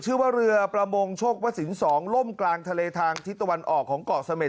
ชื่อว่าเรือประมงชกวศิลป์สองล่มกลางทะเลทางทิศตะวันออกของเกาะสเมษ